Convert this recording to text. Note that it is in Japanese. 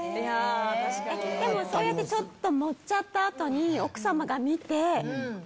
でもそうやってちょっと盛っちゃった後に。